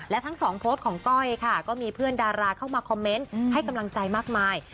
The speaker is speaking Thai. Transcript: และทั้งสองโพสต์ของก้อยค่ะก็มีเพื่อนดาราเข้ามาคอมเมนต์ให้กำลังใจมากมาย